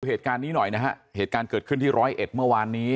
เหตุการณ์นี้หน่อยนะฮะเหตุการณ์เกิดขึ้นที่ร้อยเอ็ดเมื่อวานนี้